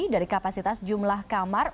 dari kapasitas jumlah kamar